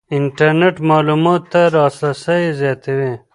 انټرنېټ معلوماتو ته لاسرسی زیاتوي.